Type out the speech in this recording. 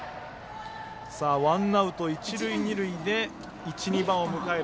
ワンアウト、一塁二塁で１、２番を迎える。